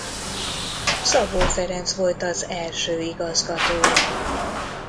Szabó Ferenc volt az első igazgatója.